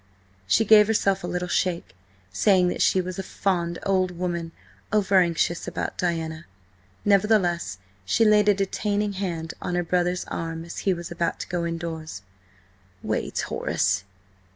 She gave herself a little shake, saying that she was a fond old woman, over anxious about Diana. Nevertheless, she laid a detaining hand on her brother's arm as he was about to go indoors. "Wait, Horace!